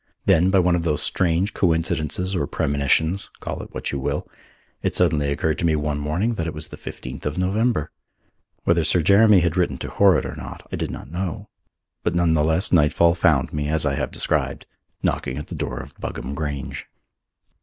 Then, by one of those strange coincidences or premonitions call it what you will it suddenly occurred to me one morning that it was the fifteenth of November. Whether Sir Jeremy had written to Horrod or not, I did not know. But none the less nightfall found me, as I have described, knocking at the door of Buggam Grange.